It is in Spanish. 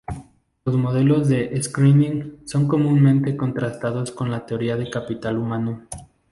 Los modelos de screening son comúnmente contrastados con la teoría de capital humano.